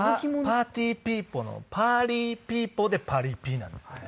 パーティーピーポーのパーリーピーポーでパリピなんですね。